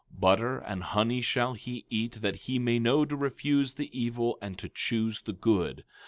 17:15 Butter and honey shall he eat, that he may know to refuse the evil and to choose the good.